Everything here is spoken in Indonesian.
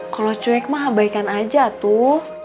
kalau cuek mah abaikan aja tuh